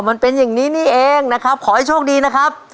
มันเป็นอย่างนี้นี่เองนะครับขอให้โชคดีนะครับ